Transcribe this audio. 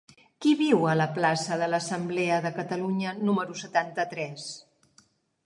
Qui viu a la plaça de l'Assemblea de Catalunya número setanta-tres?